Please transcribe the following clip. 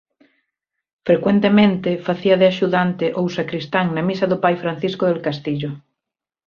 Frecuentemente facía de axudante ou sacristán na misa do Pai Francisco del Castillo.